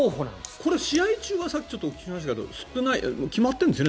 これ、試合中はさっきお聞きしましたけど大体決まってるんですよね